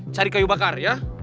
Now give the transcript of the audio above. cari kayu bakar ya